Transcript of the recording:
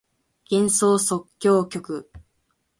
幻想即興曲